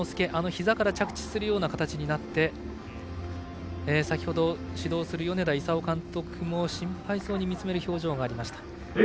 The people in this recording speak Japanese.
ひざから着地するような形になり先ほど指導する米田功監督も心配そうに見つめる表情がありました。